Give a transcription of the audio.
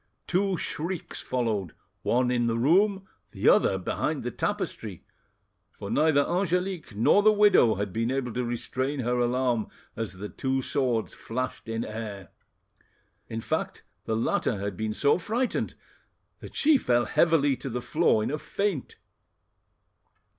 Two shrieks followed, one in the room, the other behind the tapestry, for neither Angelique nor the widow had been able to restrain her alarm as the two swords flashed in air. In fact the latter had been so frightened that she fell heavily to the floor in a faint.